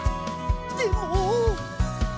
でも。